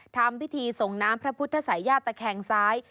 ทำพิธีส่งน้ำพระพุทธศัยญาติตะแคงซ้าย